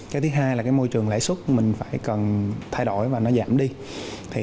cái thứ hai là môi trường lãi suất mình phải cần thay đổi và nó giảm đi